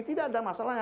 tidak ada masalah